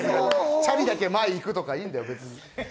チャリだけ前にいくとか、いいんだよ、別に。